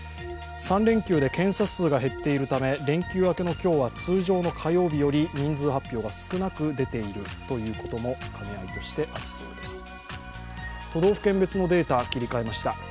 ３連休で検査数が減っているため連休明けの今日は通常の火曜日より人数発表が少なく出ているということも兼ね合いとしてありそうです。